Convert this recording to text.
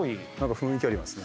雰囲気ありますね。